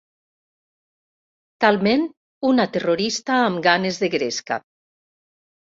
Talment una terrorista amb ganes de gresca.